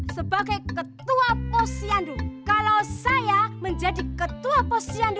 sebagai ketua posyandu kalau saya menjadi ketua posyandu